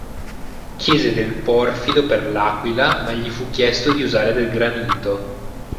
Chiese del porfido per l'aquila ma gli fu richiesto di usare del granito.